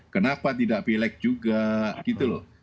kenapa tidak pilek juga gitu loh